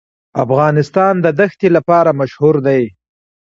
افغانستان د دښتې لپاره مشهور دی.